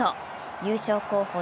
優勝候補